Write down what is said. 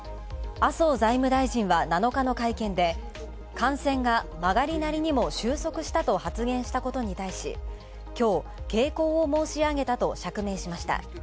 「感染が曲がりなりにも収束した」と発言したことに対し、きょう、傾向を申し上げたと釈明しました。